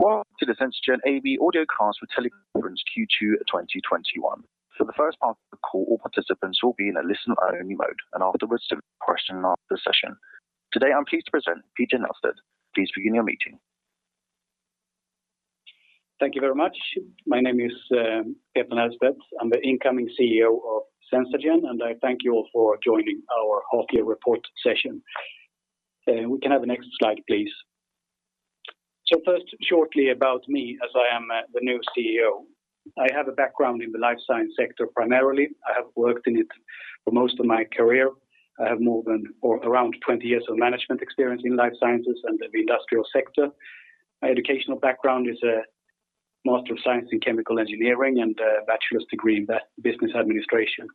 Welcome to the SenzaGen AB Audio Cast for Teleconference Q2 2021. For the first part of the call, all participants will be in a listen-only mode, and afterwards there will be a question and answer session. Today, I'm pleased to present Peter Nählstedt. Please begin your meeting. Thank you very much. My name is Peter Nählstedt. I'm the Incoming CEO of SenzaGen. I thank you all for joining our half-year report session. We can have the next slide, please. First, shortly about me as I am the new CEO. I have a background in the life science sector primarily. I have worked in it for most of my career. I have more than or around 20 years of management experience in life sciences and the industrial sector. My educational background is a Master of Science in Chemical Engineering and a bachelor's degree in Business Administration.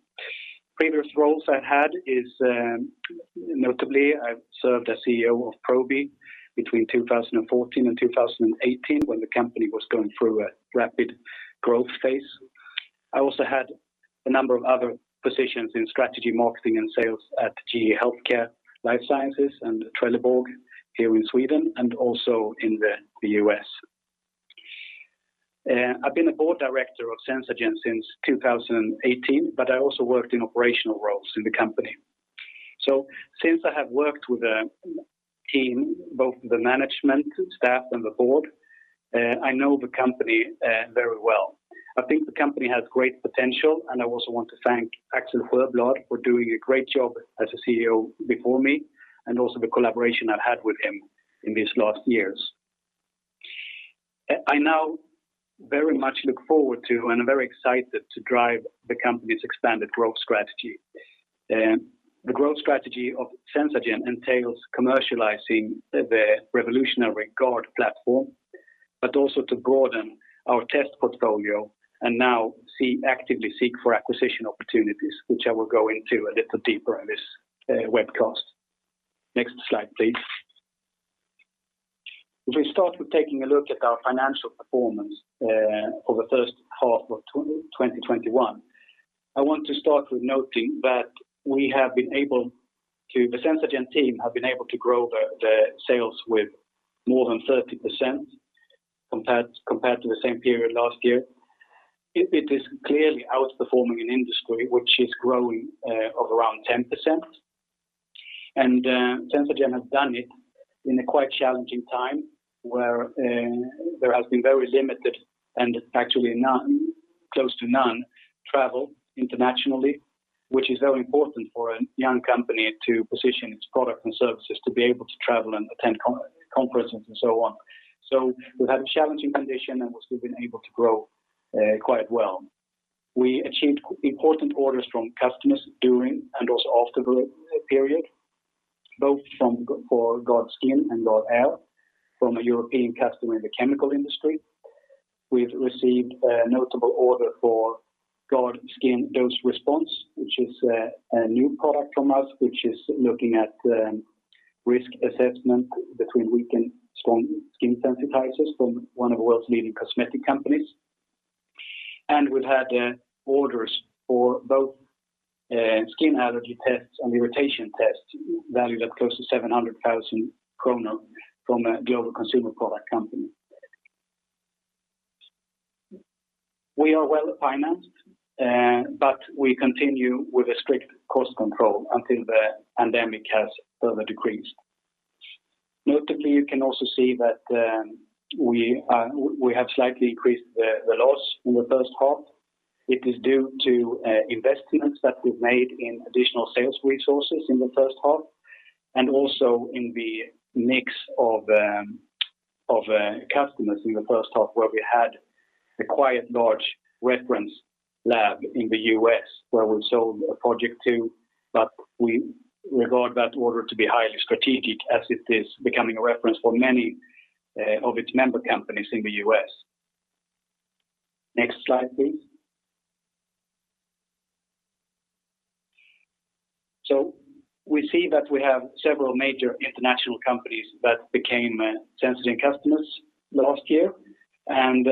Previous roles I've had is, notably, I've served as CEO of Probi between 2014 and 2018 when the company was going through a rapid growth phase. I also had a number of other positions in strategy, marketing, and sales at GE HealthCare, Life Sciences, and Trelleborg here in Sweden and also in the U.S. I've been a Board Director of SenzaGen since 2018, but I also worked in operational roles in the company. Since I have worked with the team, both the management staff and the board, I know the company very well. I think the company has great potential, and I also want to thank Axel Sjöblad for doing a great job as a CEO before me, and also the collaboration I've had with him in these last years. I now very much look forward to and am very excited to drive the company's expanded growth strategy. The growth strategy of SenzaGen entails commercializing the revolutionary GARD platform, also to broaden our test portfolio and now actively seek for acquisition opportunities, which I will go into a little deeper in this webcast. Next slide, please. If we start with taking a look at our financial performance for the first half of 2021, I want to start with noting that the SenzaGen team have been able to grow the sales with more than 30% compared to the same period last year. It is clearly outperforming an industry which is growing of around 10%. SenzaGen has done it in a quite challenging time, where there has been very limited and actually close to none travel internationally, which is very important for a young company to position its product and services to be able to travel and attend conferences and so on. We've had a challenging condition and we've still been able to grow quite well. We achieved important orders from customers during and also after the period, both for GARD®skin and GARD®air, from a European customer in the chemical industry. We've received a notable order for GARD®skin Dose-Response, which is a new product from us, which is looking at risk assessment between weak and strong skin sensitizers from one of the world's leading cosmetic companies. We've had orders for both skin allergy tests and irritation tests valued at close to 700,000 kronor from a global consumer product company. We are well-financed, we continue with a strict cost control until the pandemic has further decreased. Notably, you can also see that we have slightly increased the loss in the first half. It is due to investments that we've made in additional sales resources in the first half, and also in the mix of customers in the first half where we had a quite large reference lab in the U.S. where we sold a project to, but we regard that order to be highly strategic as it is becoming a reference for many of its member companies in the U.S. Next slide, please. We see that we have several major international companies that became SenzaGen customers last year, and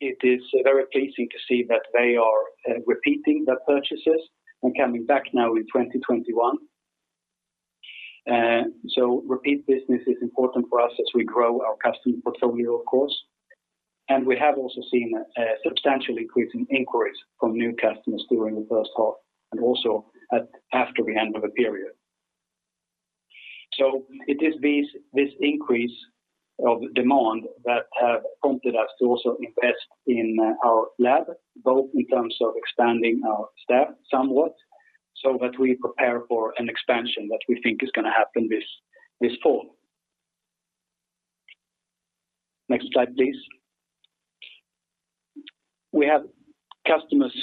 it is very pleasing to see that they are repeating their purchases and coming back now in 2021. Repeat business is important for us as we grow our customer portfolio, of course. We have also seen a substantial increase in inquiries from new customers during the first half and also after the end of the period. It is this increase of demand that have prompted us to also invest in our lab, both in terms of expanding our staff somewhat so that we prepare for an expansion that we think is going to happen this fall. Next slide, please. We have customers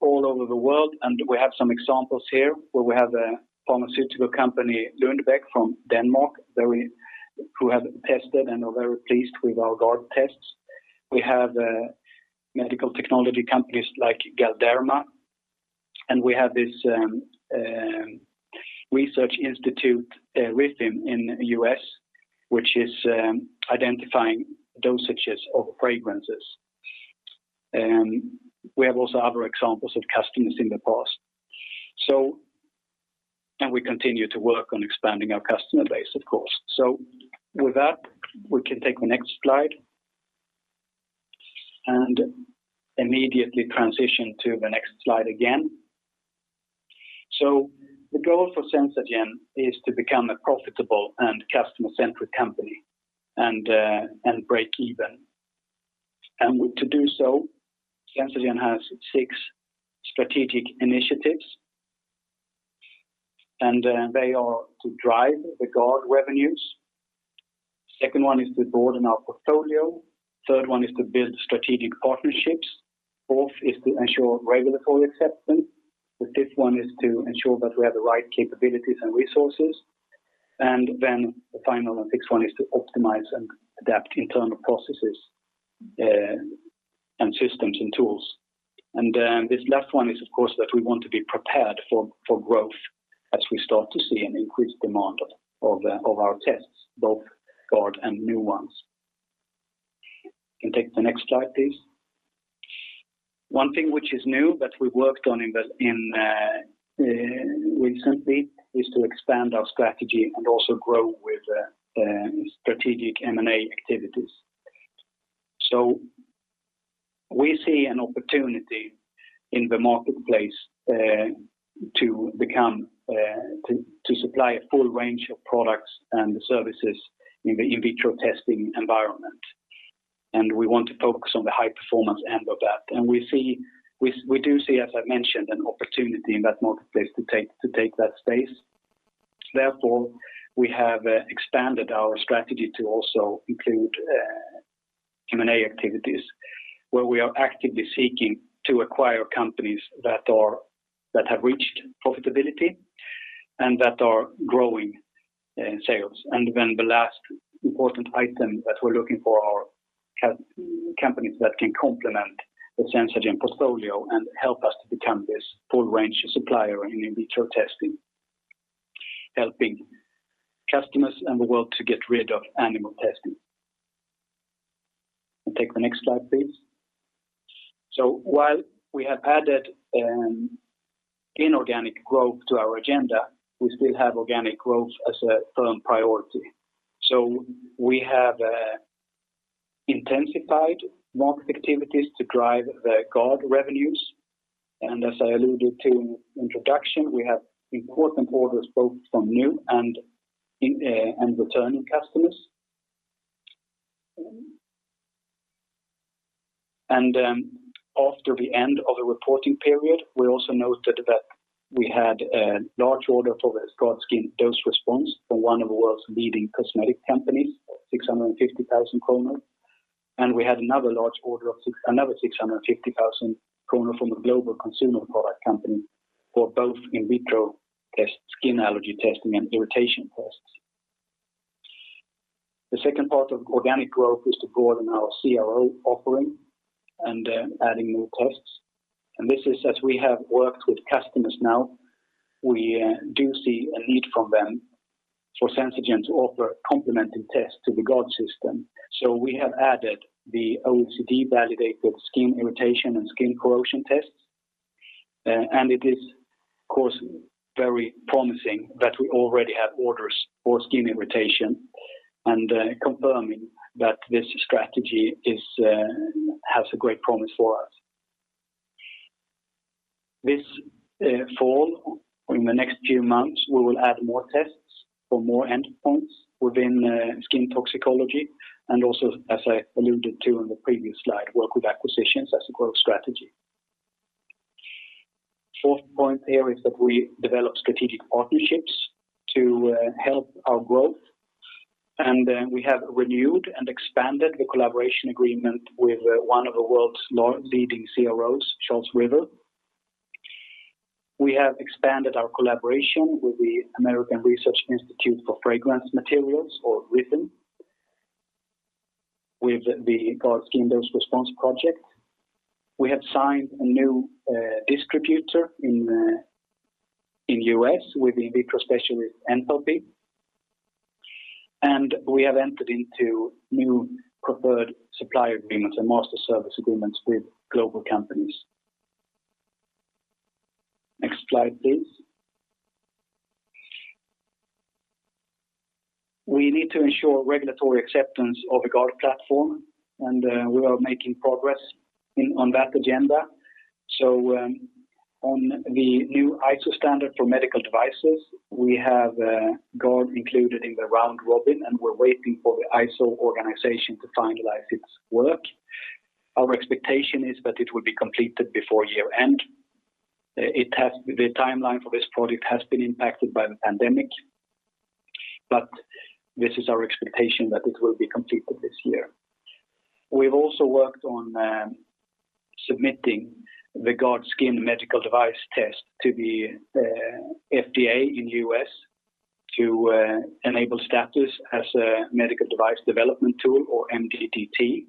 all over the world, and we have some examples here where we have a pharmaceutical company, Lundbeck, from Denmark, who have tested and are very pleased with our GARD tests. We have medical technology companies like Galderma, and we have this research institute, RIFM, in the U.S., which is identifying dosages of fragrances. We have also other examples of customers in the past. We continue to work on expanding our customer base, of course. With that, we can take the next slide and immediately transition to the next slide again. The goal for SenzaGen is to become a profitable and customer-centric company and break even. To do so, SenzaGen has six strategic initiatives, and they are to drive the GARD revenues. Second one is to broaden our portfolio. Third one is to build strategic partnerships. Fourth is to ensure regulatory acceptance. The fifth one is to ensure that we have the right capabilities and resources. The final and sixth one is to optimize and adapt internal processes, and systems and tools. This last one is, of course, that we want to be prepared for growth as we start to see an increased demand of our tests, both GARD and new ones. Can take the next slide, please. One thing which is new that we've worked on recently is to expand our strategy and also grow with strategic M&A activities. We see an opportunity in the marketplace to supply a full range of products and services in the in vitro testing environment. We want to focus on the high-performance end of that. We do see, as I mentioned, an opportunity in that marketplace to take that space. Therefore, we have expanded our strategy to also include M&A activities, where we are actively seeking to acquire companies that have reached profitability and that are growing in sales. The last important item that we're looking for are companies that can complement the SenzaGen portfolio and help us to become this full range supplier in in vitro testing, helping customers and the world to get rid of animal testing. Can take the next slide, please. While we have added inorganic growth to our agenda, we still have organic growth as a firm priority. We have intensified market activities to drive the GARD revenues. As I alluded to in introduction, we have important orders both from new and returning customers. After the end of the reporting period, we also noted that we had a large order for the GARD®skin Dose-Response from one of the world's leading cosmetic companies, 650,000 kronor. We had another large order of another 650,000 kronor from a global consumer product company for both in vitro test skin allergy testing and irritation tests. The second part of organic growth is to broaden our CRO offering and adding more tests. This is as we have worked with customers now, we do see a need from them for SenzaGen to offer complementing tests to the GARD system. We have added the OECD-validated skin irritation and skin corrosion tests, and it is, of course, very promising that we already have orders for skin irritation and confirming that this strategy has a great promise for us. This fall, in the next few months, we will add more tests for more endpoints within skin toxicology, and also, as I alluded to on the previous slide, work with acquisitions as a growth strategy. Fourth point here is that we develop strategic partnerships to help our growth, and we have renewed and expanded the collaboration agreement with one of the world's leading CROs, Charles River. We have expanded our collaboration with the Research Institute for Fragrance Materials, or RIFM, with the GARDskin Dose-Response project. We have signed a new distributor in U.S. with the in vitro specialist Enthalpy. We have entered into new preferred supplier agreements and master service agreements with global companies. Next slide, please. We need to ensure regulatory acceptance of the GARD platform, and we are making progress on that agenda. On the new ISO standard for medical devices, we have GARD included in the round robin, and we're waiting for the ISO organization to finalize its work. Our expectation is that it will be completed before year-end. The timeline for this project has been impacted by the pandemic, but this is our expectation that it will be completed this year. We've also worked on submitting the GARD®skin medical device test to the FDA in U.S. to enable status as a Medical Device Development Tool, or MDDT.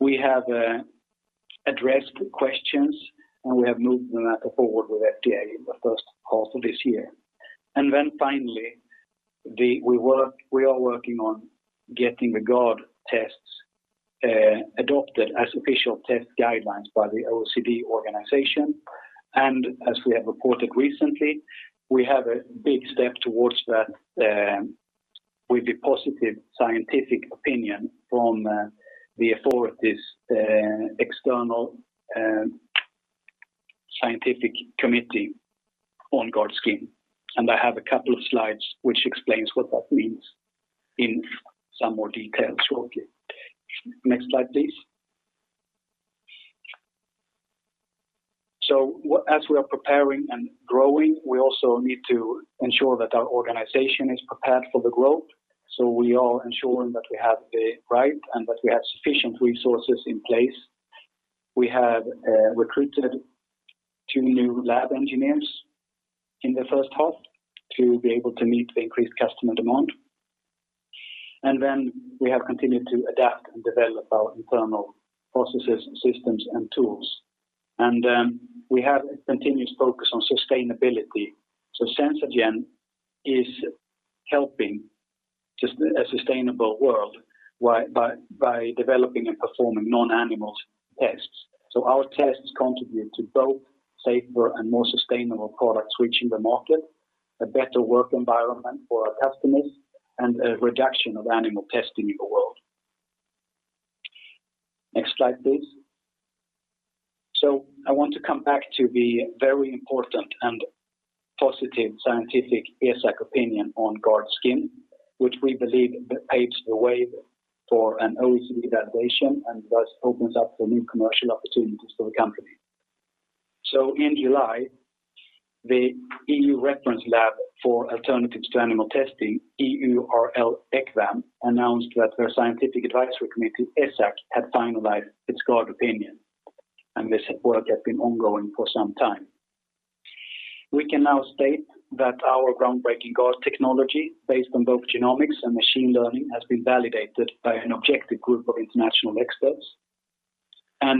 We have addressed the questions, and we have moved the matter forward with FDA in the first half of this year. Finally, we are working on getting the GARD tests adopted as official test guidelines by the OECD organization. As we have reported recently, we have a big step towards that with the positive scientific opinion from the authority's external scientific committee on GARD®skin, and I have a couple of slides which explains what that means in some more detail shortly. Next slide, please. As we are preparing and growing, we also need to ensure that our organization is prepared for the growth. We are ensuring that we have the right and that we have sufficient resources in place. We have recruited two new lab engineers in the first half to be able to meet the increased customer demand. We have continued to adapt and develop our internal processes, systems, and tools. We have a continuous focus on sustainability. SenzaGen is helping a sustainable world by developing and performing non-animal tests. Our tests contribute to both safer and more sustainable products reaching the market, a better work environment for our customers, and a reduction of animal testing in the world. Next slide, please. I want to come back to the very important and positive scientific ESAC opinion on GARD®skin, which we believe paves the way for an OECD validation and thus opens up for new commercial opportunities for the company. In July, the EU reference lab for alternatives to animal testing, EURL ECVAM, announced that their scientific advisory committee, ESAC, had finalized its GARD opinion, and this work had been ongoing for some time. We can now state that our groundbreaking GARD technology, based on both genomics and machine learning, has been validated by an objective group of international experts.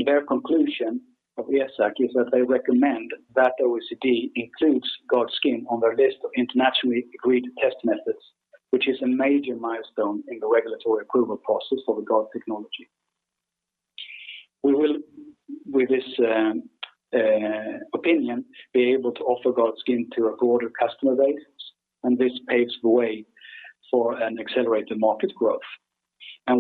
Their conclusion of ESAC is that they recommend that OECD includes GARD®skin on their list of internationally agreed test methods, which is a major milestone in the regulatory approval process for the GARD technology. We will, with this opinion, be able to offer GARD®skin to a broader customer base. This paves the way for an accelerated market growth.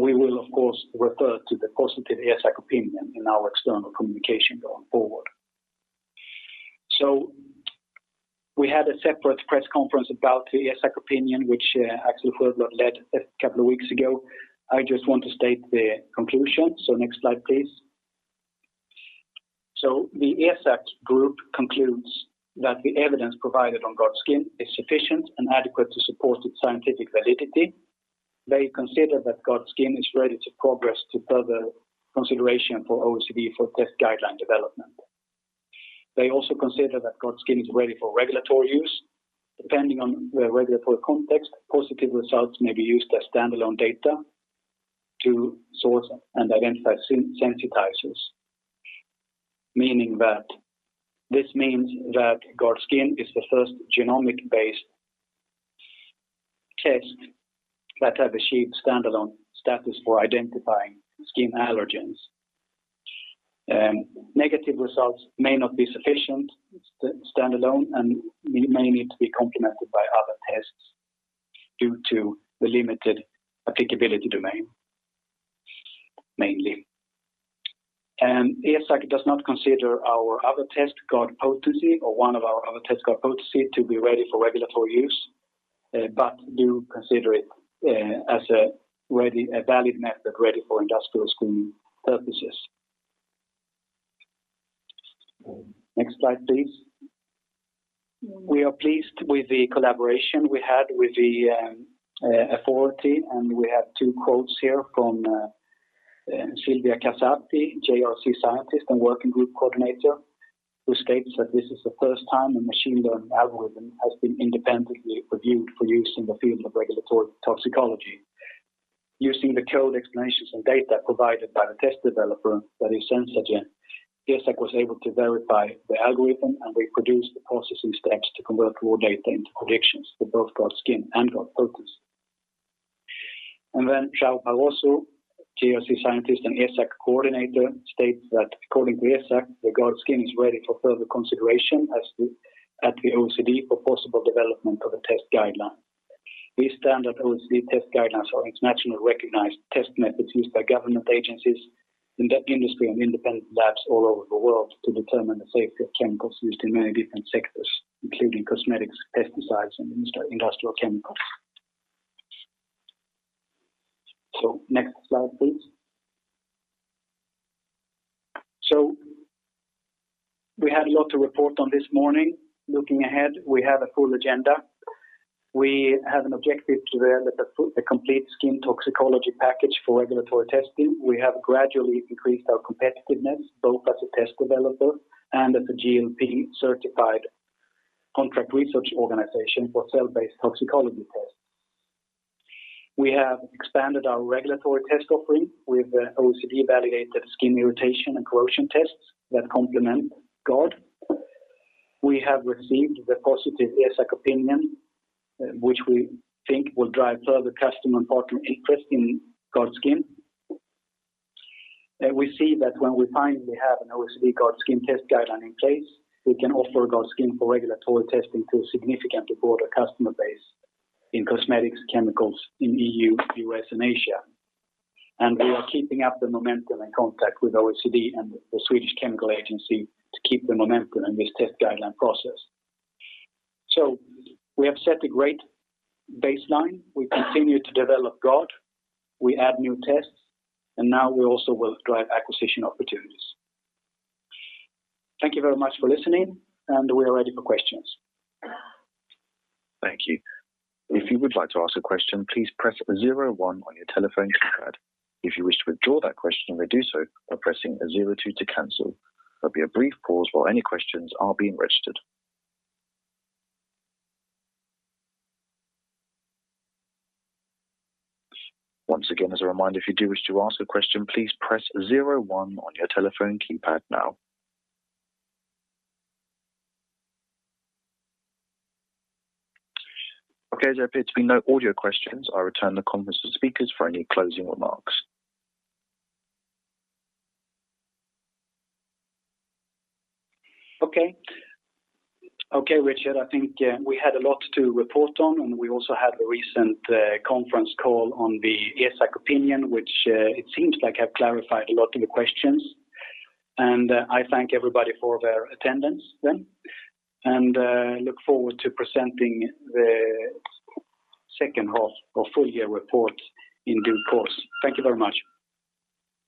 We will, of course, refer to the positive ESAC opinion in our external communication going forward. We had a separate press conference about the ESAC opinion, which Axel Sjöblad led a couple of weeks ago. I just want to state the conclusion. Next slide, please. The ESAC group concludes that the evidence provided on GARD®skin is sufficient and adequate to support its scientific validity. They consider that GARD®skin is ready to progress to further consideration for OECD for test guideline development. They also consider that GARD®skin is ready for regulatory use. Depending on the regulatory context, positive results may be used as standalone data to source and identify sensitizers. This means that GARD®skin is the first genomic-based test that has achieved standalone status for identifying skin allergens. Negative results may not be sufficient standalone and may need to be complemented by other tests due to the limited applicability domain, mainly. ESAC does not consider one of our other tests, GARD®potency, to be ready for regulatory use, but do consider it as a valid method ready for industrial screening purposes. Next slide, please. We are pleased with the collaboration we had with the authority, and we have two quotes here from Silvia Casati, JRC scientist and working group coordinator, who states that, "This is the first time a machine learning algorithm has been independently reviewed for use in the field of regulatory toxicology. Using the code explanations and data provided by the test developer, that is SenzaGen, ESAC was able to verify the algorithm and reproduce the processing steps to convert raw data into predictions for both GARD®skin and GARD®potency." João Barroso, JRC scientist and ESAC coordinator, states that according to ESAC, GARD®skin is ready for further consideration at the OECD for possible development of a test guideline. These standard OECD test guidelines are internationally recognized test methods used by government agencies, industry, and independent labs all over the world to determine the safety of chemicals used in many different sectors, including cosmetics, pesticides, and industrial chemicals. Next slide, please. We had a lot to report on this morning. Looking ahead, we have a full agenda. We have an objective to develop the complete skin toxicology package for regulatory testing. We have gradually increased our competitiveness both as a test developer and as a GLP-certified contract research organization for cell-based toxicology tests. We have expanded our regulatory test offering with the OECD-validated skin irritation and corrosion tests that complement GARD. We have received the positive ESAC opinion, which we think will drive further customer and partner interest in GARD®skin. We see that when we finally have an OECD GARD®skin test guideline in place, we can offer GARD®skin for regulatory testing to a significantly broader customer base in cosmetics, chemicals in E.U., U.S., and Asia. We are keeping up the momentum and contact with OECD and the Swedish Chemicals Agency to keep the momentum in this test guideline process. We have set a great baseline. We continue to develop GARD. We add new tests, and now we also will drive acquisition opportunities. Thank you very much for listening, and we are ready for questions. Thank you. If you would like to ask a question, please press zero one on your telephone keypad. If you wish to withdraw that question, you may do so by pressing zero two to cancel. There'll be a brief pause while any questions are being registered. Once again, as a reminder, if you do wish to ask a question, please press zero one on your telephone keypad now. Okay, there appear to be no audio questions. I'll return the conference to the speakers for any closing remarks. Okay, Richard. I think we had a lot to report on, and we also had a recent conference call on the ESAC opinion, which it seems like have clarified a lot of the questions. I thank everybody for their attendance then, and look forward to presenting the second half or full year report in due course. Thank you very much.